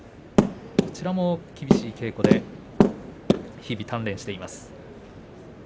こちらも厳しい稽古で日々、鍛錬しています。